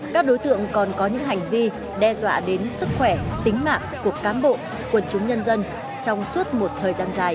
các đối tượng còn có những hành vi đe dọa đến sức khỏe tính mạng của cám bộ quần chúng nhân dân trong suốt một thời gian dài